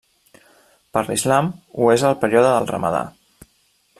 Per l'Islam ho és el període del Ramadà.